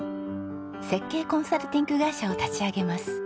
設計コンサルティング会社を立ち上げます。